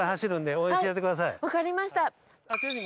分かりました。